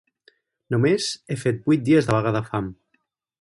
Només he fet vuit dies de vaga de fam.